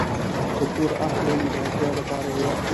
که پور اخلئ نو د اړتیا لپاره یې واخلئ.